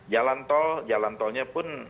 jalan tol jalan tolnya pun